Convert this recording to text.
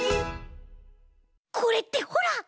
これってほら！